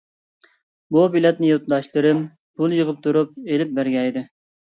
بۇ بېلەتنى يۇرتداشلىرىم پۇل يېغىپ تۇرۇپ ئېلىپ بەرگەنىدى.